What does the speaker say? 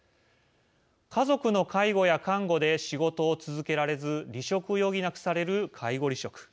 家族の介護や看護で仕事を続けられず離職を余儀なくされる介護離職。